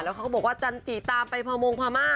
แล้วเขาก็บอกว่าจันจิตามไปพระมงพามา